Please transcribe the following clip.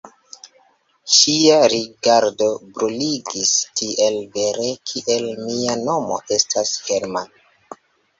Ŝia rigardo bruligis, tiel vere, kiel mia nomo estas Hermann.